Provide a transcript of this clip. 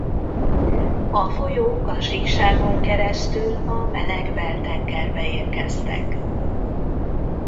A folyók a síkságon keresztül a meleg beltengerbe érkeztek.